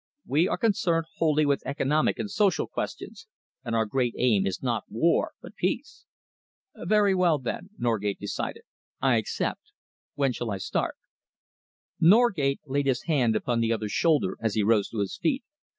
We are concerned wholly with economic and social questions, and our great aim is not war but peace." "Very well, then," Norgate decided, "I accept. When shall I start?" Selingman laid his hand upon the other's shoulder as he rose to his feet.